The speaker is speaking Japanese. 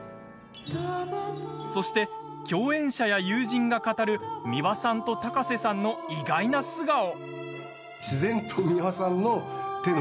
そして、共演者や友人が語る美輪さんと高瀬さんの意外な素顔。